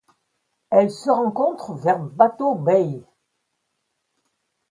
Elle se rencontre vers Bateau Bay.